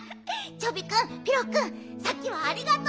チョビくんピロくんさっきはありがとう。